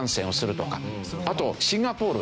あとシンガポール。